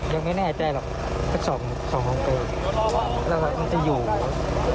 ไม่ไม่ใช่ไม่ใช่ส่วนขาส่วนขาวที่โหลออกมาจากย่า